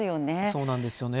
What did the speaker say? そうなんですよね。